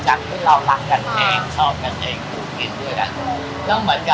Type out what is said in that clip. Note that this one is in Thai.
ใช่พี่คุณรักกันเองชอบกันเองมีปุ่นกินด้วยอ่ะ